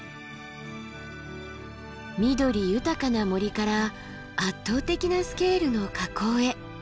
緑豊かな森から圧倒的なスケールの火口へ。